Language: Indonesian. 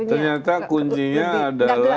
ternyata kuncinya adalah